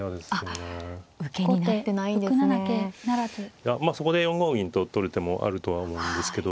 いやまあそこで４五銀と取る手もあるとは思うんですけど。